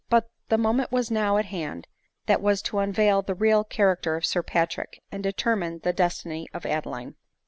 But the mo ment was now at hand that was to unveil the real charac ter of Sir Patrick, and determine the destiny of Adeline.